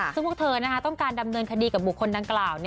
ซึ่งพวกเธอต้องการดำเนินคดีกับบุคคลดังกล่าว